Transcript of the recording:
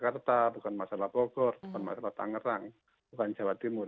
bukan masalah jakarta bukan masalah bogor bukan masalah tangerang bukan masalah jawa timur